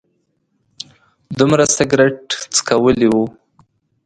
دومره سګرټ څکولي و.